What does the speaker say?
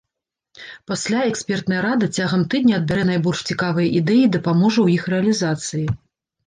Пасля экспертная рада цягам тыдня адбярэ найбольш цікавыя ідэі і дапаможа ў іх рэалізацыі.